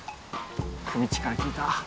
久実っちから聞いた。